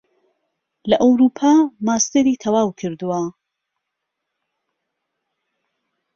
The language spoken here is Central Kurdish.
لە ئەوروپا ماستێری تەواو کردووە